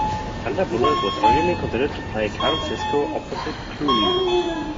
Sandra Bullock was originally considered to play Karen Sisco opposite Clooney.